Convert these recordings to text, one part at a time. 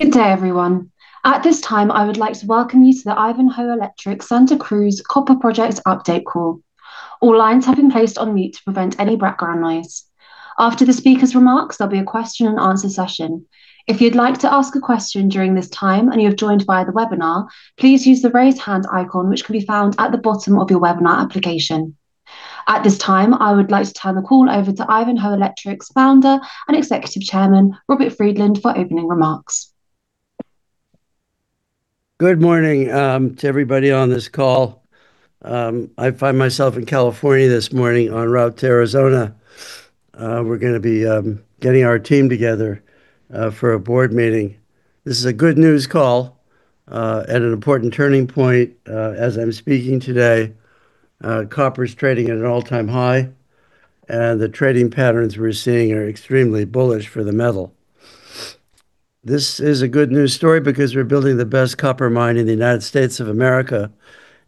Good day everyone. At this time, I would like to welcome you to the Ivanhoe Electric Santa Cruz Copper Project Update Call. All lines have been placed on mute to prevent any background noise. After the speaker's remarks, there'll be a question and answer session. If you'd like to ask a question during this time and you have joined via the webinar, please use the raise hand icon which can be found at the bottom of your webinar application. At this time, I would like to turn the call over to Ivanhoe Electric's Founder and Executive Chairman, Robert Friedland, for opening remarks. Good morning to everybody on this call. I find myself in California this morning en route to Arizona. We're gonna be getting our team together for a board meeting. This is a good news call and an important turning point. As I'm speaking today, copper's trading at an all-time high, and the trading patterns we're seeing are extremely bullish for the metal. This is a good news story because we're building the best copper mine in the United States of America,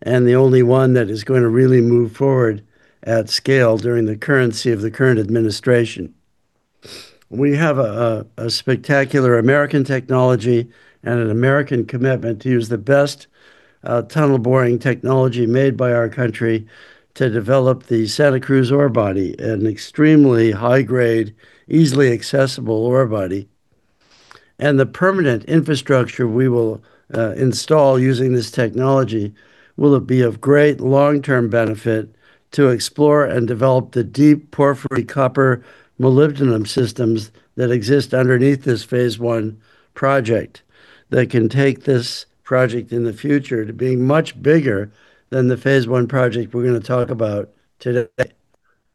and the only one that is going to really move forward at scale during the currency of the current administration. We have a spectacular American technology and an American commitment to use the best tunnel boring technology made by our country to develop the Santa Cruz ore body at an extremely high grade, easily accessible ore body. The permanent infrastructure we will install using this technology will be of great long-term benefit to explore and develop the deep porphyry copper-molybdenum systems that exist underneath this phase I project, that can take this project in the future to being much bigger than the phase I project we're going to talk about today.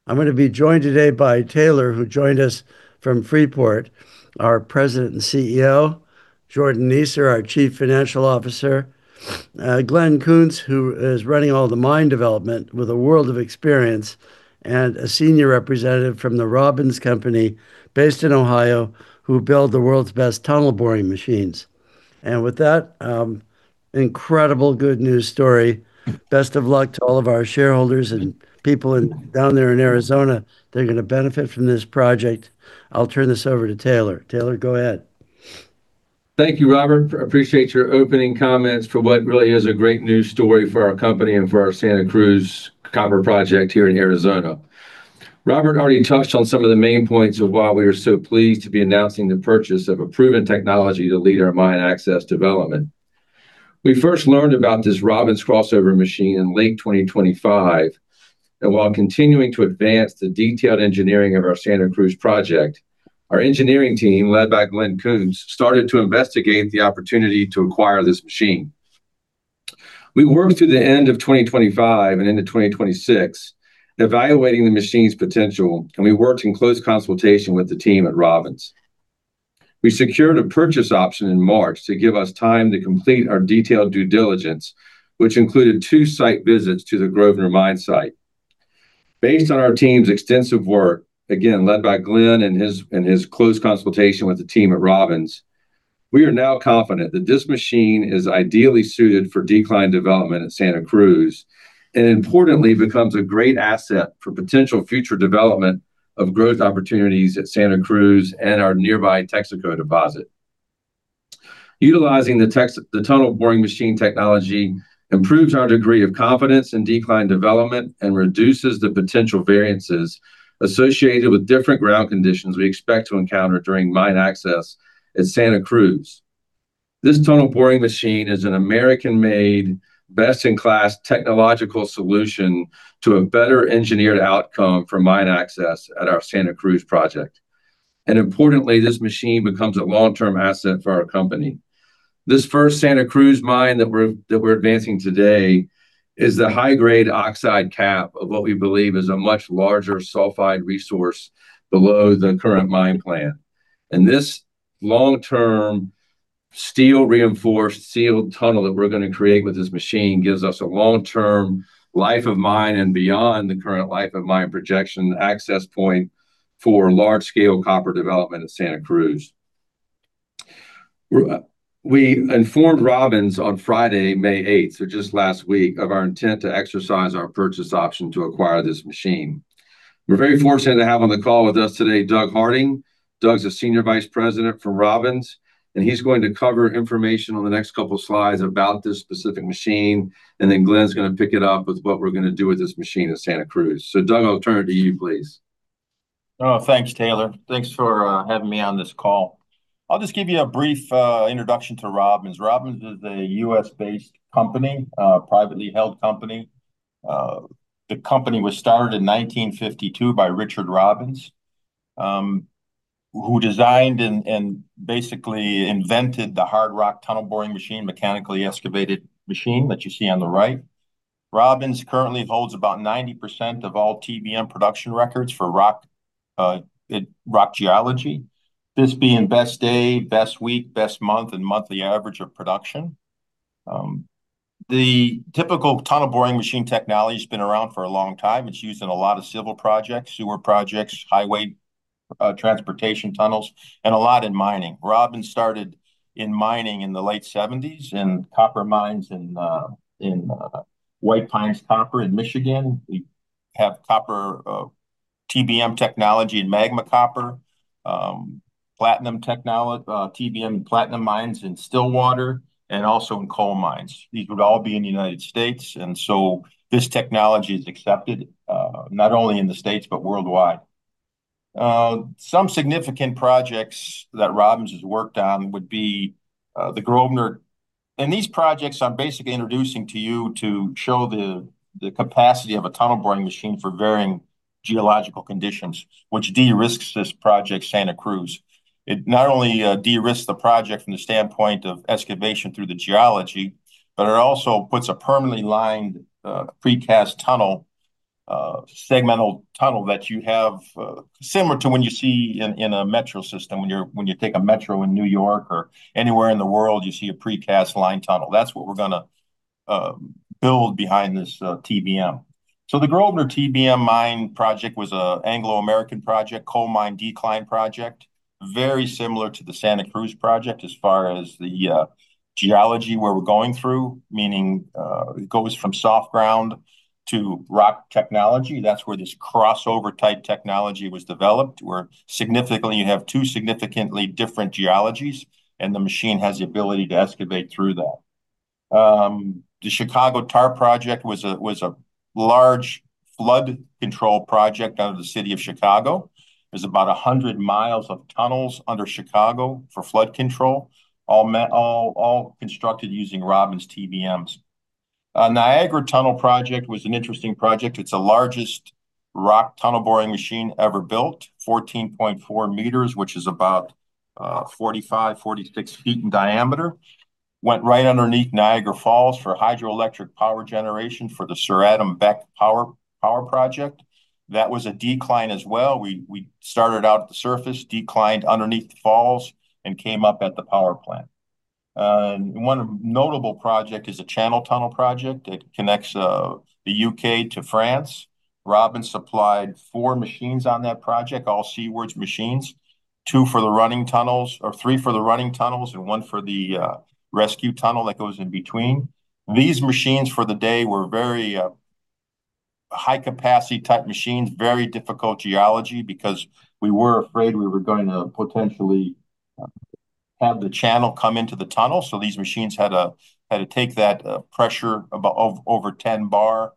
I'm going to be joined today by Taylor, who joined us from Freeport, our President and CEO. Jordan Neeser, our Chief Financial Officer. Glen Kuntz, who is running all the mine development with a world of experience, and a senior representative from The Robbins Company based in Ohio, who build the world's best tunnel boring machines. With that incredible good news story, best of luck to all of our shareholders and people down there in Arizona. They're going to benefit from this project. I'll turn this over to Taylor. Taylor, go ahead. Thank you, Robert. Appreciate your opening comments for what really is a great news story for our company and for our Santa Cruz Copper Project here in Arizona. Robert already touched on some of the main points of why we are so pleased to be announcing the purchase of a proven technology to lead our mine access development. We first learned about this Robbins crossover machine in late 2025. While continuing to advance the detailed engineering of our Santa Cruz Project, our engineering team, led by Glen Kuntz, started to investigate the opportunity to acquire this machine. We worked through the end of 2025 and into 2026 evaluating the machine's potential, and we worked in close consultation with the team at Robbins. We secured a purchase option in March to give us time to complete our detailed due diligence, which included two site visits to the Grosvenor mine site. Based on our team's extensive work, again led by Glen and his close consultation with the team at Robbins, we are now confident that this machine is ideally suited for decline development at Santa Cruz, and importantly becomes a great asset for potential future development of growth opportunities at Santa Cruz and our nearby Texaco Deposit. Utilizing the tunnel boring machine technology improves our degree of confidence in decline development and reduces the potential variances associated with different ground conditions we expect to encounter during mine access at Santa Cruz. This tunnel boring machine is an American-made, best in class technological solution to a better engineered outcome for mine access at our Santa Cruz Project. Importantly, this machine becomes a long-term asset for our company. This first Santa Cruz mine that we're advancing today is the high-grade oxide cap of what we believe is a much larger sulfide resource below the current mine plan. This long-term steel reinforced sealed tunnel that we're gonna create with this machine gives us a long-term life of mine and beyond the current life of mine projection access point for large scale copper development at Santa Cruz. We informed Robbins on Friday, May 8th, so just last week, of our intent to exercise our purchase option to acquire this machine. We're very fortunate to have on the call with us today Doug Harding. Doug's a Senior Vice President from Robbins, and he's going to cover information on the next couple slides about this specific machine, and then Glen's gonna pick it up with what we're gonna do with this machine at Santa Cruz. Doug, I'll turn it to you, please. Thanks, Taylor. Thanks for having me on this call. I'll just give you a brief introduction to Robbins. Robbins is a U.S.-based company, a privately held company. The company was started in 1952 by Richard Robbins, who designed and basically invented the hard rock tunnel boring machine, mechanically excavated machine that you see on the right. Robbins currently holds about 90% of all TBM production records for rock geology. This being best day, best week, best month, and monthly average of production. The typical tunnel boring machine technology has been around for a long time. It's used in a lot of civil projects, sewer projects, highway, transportation tunnels, and a lot in mining. Robbins started in mining in the late 1970s in copper mines in White Pine Copper in Michigan. We have copper TBM technology in Magma Copper, Platinum Technology TBM platinum mines in Stillwater and also in coal mines. These would all be in the U.S., this technology is accepted not only in the States, but worldwide. Some significant projects that Robbins has worked on would be the Grosvenor. These projects, I'm basically introducing to you to show the capacity of a tunnel boring machine for varying geological conditions, which de-risks this project Santa Cruz. It not only de-risks the project from the standpoint of excavation through the geology, but it also puts a permanently lined precast tunnel, segmental tunnel that you have similar to when you see in a metro system. When you take a metro in New York or anywhere in the world, you see a precast line tunnel. That's what we're gonna build behind this TBM. The Grosvenor TBM mine project was a Anglo American project, coal mine decline project. Very similar to the Santa Cruz project as far as the geology where we're going through, meaning it goes from soft ground to rock technology. That's where this crossover-type technology was developed, where significantly, you have two significantly different geologies, the machine has the ability to excavate through that. The Chicago TARP project was a large flood control project out of the city of Chicago. There's about 100 mi of tunnels under Chicago for flood control, all constructed using Robbins TBMs. Niagara Tunnel project was an interesting project. It's the largest rock tunnel boring machine ever built, 14.4 m, which is about 45 ft-46 ft in diameter. Went right underneath Niagara Falls for hydroelectric power generation for the Sir Adam Beck Power Project. That was a decline as well. We started out at the surface, declined underneath the falls and came up at the power plant. One notable project is the Channel Tunnel project. It connects the U.K. to France. Robbins supplied four machines on that project, all Crossover machines. Two for the running tunnels, or three for the running tunnels and one for the rescue tunnel that goes in between. These machines for the day were very high capacity-type machines. Very difficult geology because we were afraid we were going to potentially have the channel come into the tunnel, these machines had to take that pressure of over 10 bar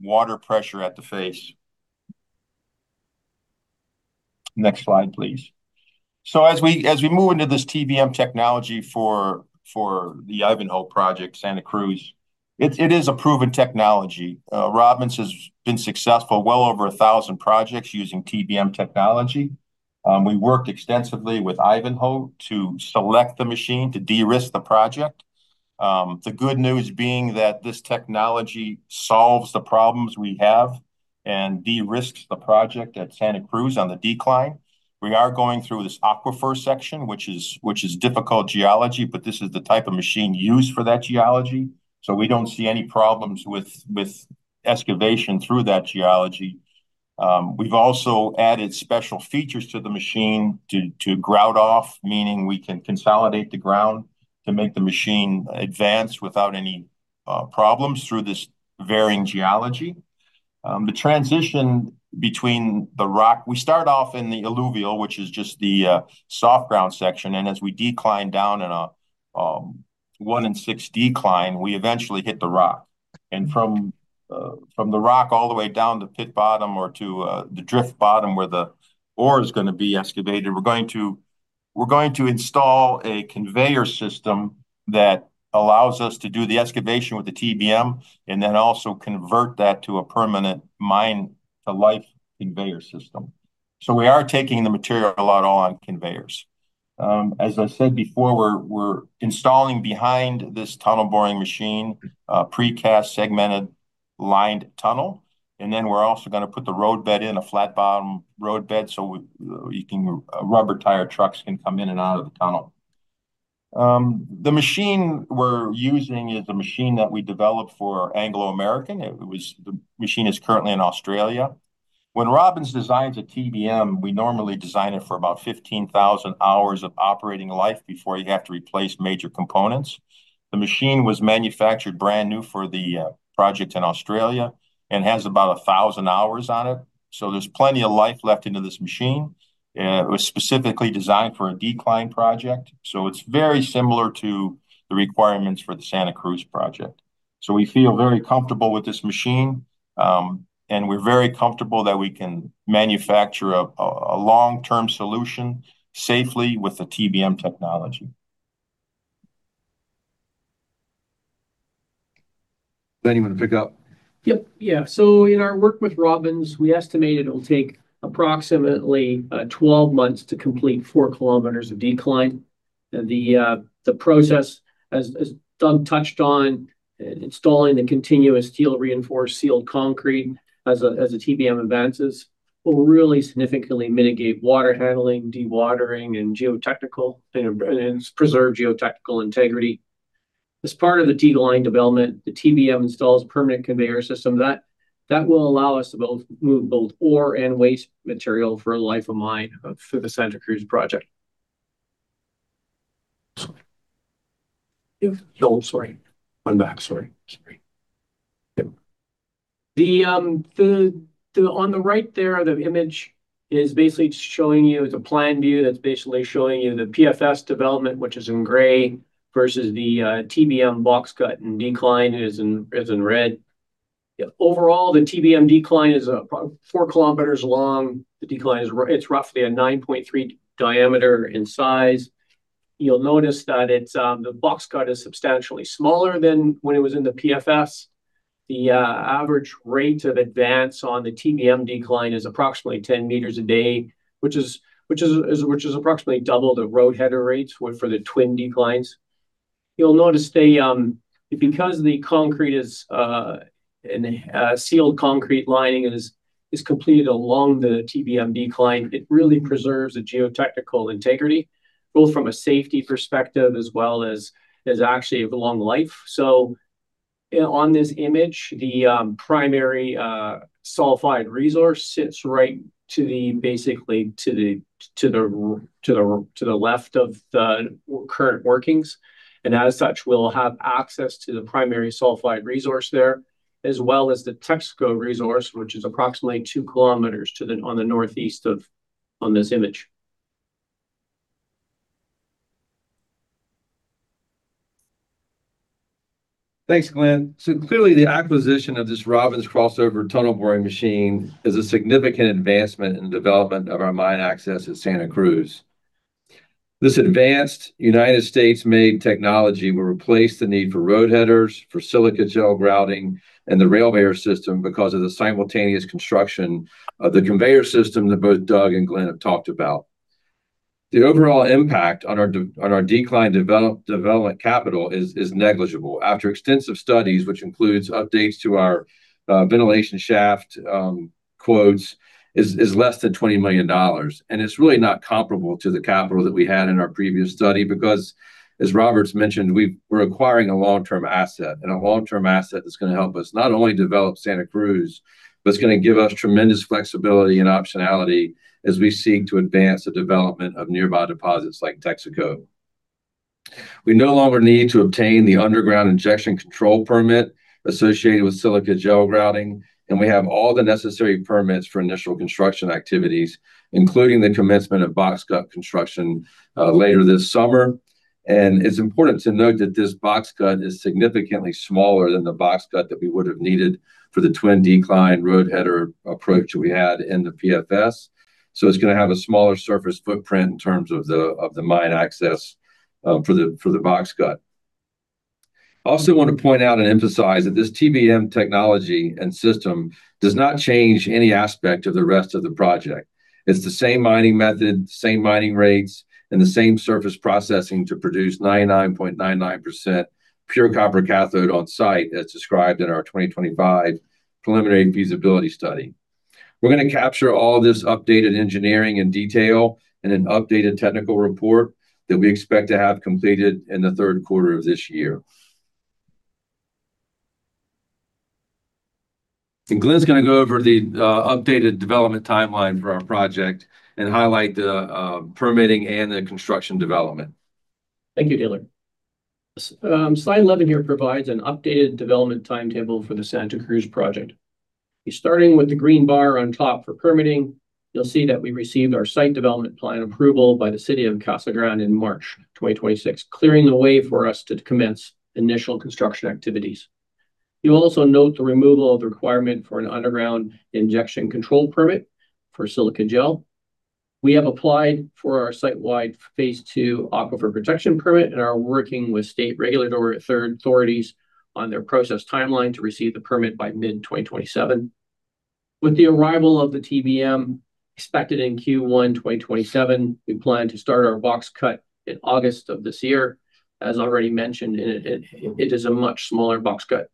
water pressure at the face. Next slide, please. As we move into this TBM technology for the Ivanhoe Project, Santa Cruz, it is a proven technology. Robbins has been successful well over 1,000 projects using TBM technology. We worked extensively with Ivanhoe to select the machine to de-risk the project. The good news being that this technology solves the problems we have and de-risks the project at Santa Cruz on the decline. We are going through this aquifer section, which is difficult geology, but this is the type of machine used for that geology, so we don't see any problems with excavation through that geology. We've also added special features to the machine to grout off, meaning we can consolidate the ground to make the machine advance without any problems through this varying geology. The transition between the rock. We start off in the alluvial, which is just the soft ground section and as we decline down in a one in six decline, we eventually hit the rock. From the rock all the way down to pit bottom or to the drift bottom where the ore is going to be excavated, we're going to install a conveyor system that allows us to do the excavation with the TBM and then also convert that to a permanent mine-to-life conveyor system. We are taking the material out on conveyors. As I said before, we're installing behind this tunnel boring machine a precast segmented lined tunnel, and then we're also going to put the roadbed in, a flat bottom roadbed so you can rubber tire trucks can come in and out of the tunnel. The machine we're using is a machine that we developed for Anglo American. The machine is currently in Australia. When Robbins designs a TBM, we normally design it for about 15,000 hours of operating life before you have to replace major components. The machine was manufactured brand new for the project in Australia and has about 1,000 hours on it, so there's plenty of life left into this machine. It was specifically designed for a decline project, so it's very similar to the requirements for the Santa Cruz Project. We feel very comfortable with this machine, and we're very comfortable that we can manufacture a long-term solution safely with the TBM technology. Glen Kuntz, you wanna pick up? Yep. Yeah. In our work with Robbins, we estimated it'll take approximately 12 months to complete 4 km of decline. The process, as Doug touched on, installing the continuous steel reinforced sealed concrete as the TBM advances will really significantly mitigate water handling, dewatering and preserve geotechnical integrity. As part of the decline development, the TBM installs a permanent conveyor system that will allow us to both move both ore and waste material for the life of mine for the Santa Cruz Copper Project. No, sorry. One back. Sorry, sorry. The on the right there, the image is basically showing you, it's a plan view that's basically showing you the PFS development, which is in gray, versus the TBM boxcut and decline is in red. Overall, the TBM decline is 4 km long. The decline is roughly a 9.3 diameter in size. You'll notice that it's the boxcut is substantially smaller than when it was in the PFS. The average rate of advance on the TBM decline is approximately 10 m a day, which is approximately double the roadheader rates for the twin declines. You'll notice the because the concrete is in a sealed concrete lining and is completed along the TBM decline, it really preserves the geotechnical integrity, both from a safety perspective as well as actually of the long life. You know, on this image, the primary sulfide resource sits right to the, basically to the left of the current workings, and as such we'll have access to the primary sulfide resource there, as well as the Texaco resource, which is approximately 2 km to the, on the northeast of, on this image. Thanks, Glen. Clearly the acquisition of this Robbins crossover tunnel boring machine is a significant advancement in development of our mine access at Santa Cruz. This advanced United States-made technology will replace the need for roadheaders, for silica gel grouting, and the Rail-Veyor system because of the simultaneous construction of the conveyor system that both Doug and Glen have talked about. The overall impact on our decline development capital is negligible. After extensive studies, which includes updates to our ventilation shaft quotes, is less than $20 million. It's really not comparable to the capital that we had in our previous study because, as Robert's mentioned, we're acquiring a long-term asset, and a long-term asset that's gonna help us not only develop Santa Cruz, but it's gonna give us tremendous flexibility and optionality as we seek to advance the development of nearby deposits like Texaco. We no longer need to obtain the Underground Injection Control permit associated with silica gel grouting, and we have all the necessary permits for initial construction activities, including the commencement of boxcut construction later this summer. It's important to note that this boxcut is significantly smaller than the boxcut that we would have needed for the twin decline roadheader approach that we had in the PFS. It's gonna have a smaller surface footprint in terms of the mine access for the boxcut. Also want to point out and emphasize that this TBM technology and system does not change any aspect of the rest of the project. It's the same mining method, same mining rates, and the same surface processing to produce 99.99% pure copper cathode on-site as described in our 2025 preliminary feasibility study. We're gonna capture all this updated engineering and detail in an updated technical report that we expect to have completed in the third quarter of this year. Glen's gonna go over the updated development timeline for our project and highlight the permitting and the construction development. Thank you, Taylor. Slide 11 here provides an updated development timetable for the Santa Cruz Project. Starting with the green bar on top for permitting, you'll see that we received our site development plan approval by the City of Casa Grande in March 2026, clearing the way for us to commence initial construction activities. You'll also note the removal of the requirement for an Underground Injection Control permit for silica gel. We have applied for our site-wide phase II Aquifer Protection Permit and are working with state regulatory authorities on their process timeline to receive the permit by mid-2027. With the arrival of the TBM expected in Q1 2027, we plan to start our boxcut in August of this year. As already mentioned, it is a much smaller boxcut.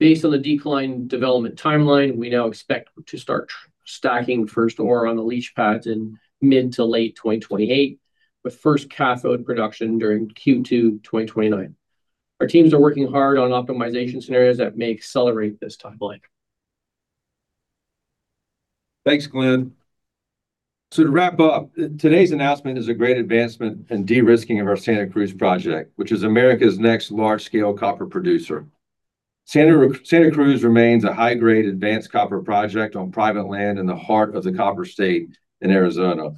Based on the decline development timeline, we now expect to start stacking first ore on the leach pads in mid to late 2028, with first cathode production during Q2, 2029. Our teams are working hard on optimization scenarios that may accelerate this timeline. Thanks, Glen. To wrap up, today's announcement is a great advancement in de-risking of our Santa Cruz Project, which is America's next large-scale copper producer. Santa Cruz remains a high-grade advanced copper project on private land in the heart of the copper state in Arizona.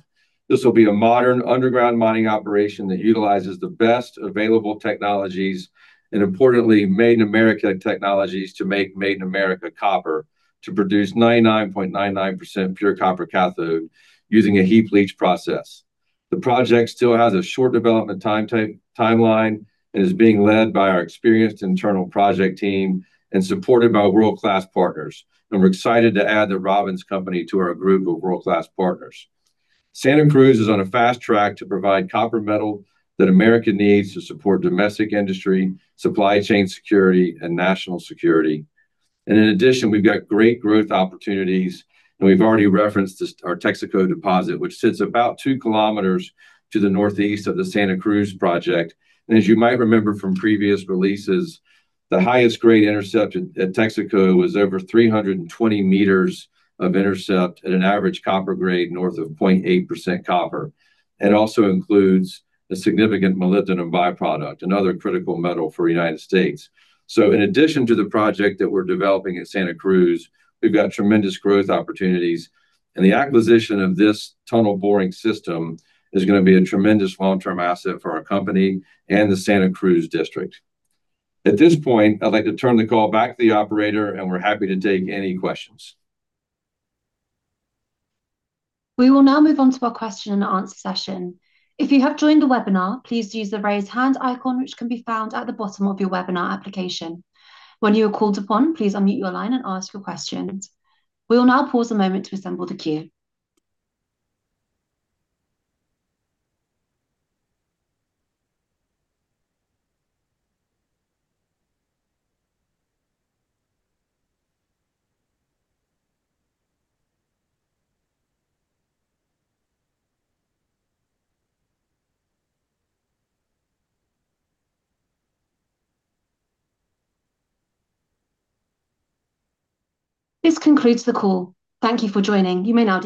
This will be a modern underground mining operation that utilizes the best available technologies and, importantly, Made in America technologies to make Made in America copper to produce 99.99% pure copper cathode using a heap leach process. The project still has a short development timeline and is being led by our experienced internal project team and supported by world-class partners. We're excited to add The Robbins Company to our group of world-class partners. Santa Cruz is on a fast track to provide copper metal that America needs to support domestic industry, supply chain security, and national security. In addition, we've got great growth opportunities, and we've already referenced this, our Texaco Deposit, which sits about 2 km to the northeast of the Santa Cruz project. As you might remember from previous releases, the highest grade intercept at Texaco was over 320 m of intercept at an average copper grade north of 0.8% copper. It also includes a significant molybdenum byproduct, another critical metal for U.S. In addition to the project that we're developing at Santa Cruz, we've got tremendous growth opportunities, and the acquisition of this tunnel boring system is gonna be a tremendous long-term asset for our company and the Santa Cruz district. At this point, I'd like to turn the call back to the operator. We're happy to take any questions. We will now move on to our question and answer session. If you have joined the webinar, please use the Raise Hand icon, which can be found at the bottom of your webinar application. When you are called upon, please unmute your line and ask your question. We will now pause a moment to assemble the queue. This concludes the call. Thank you for joining.